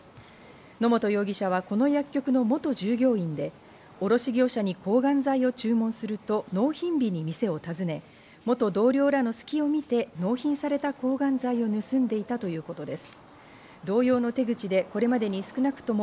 野本容疑者はこの薬局の元従業員で、卸業者に抗がん剤を注文すると、納品日に店を訪ね、元同僚らの隙をみて納品された抗がん剤を盗んでいたということです。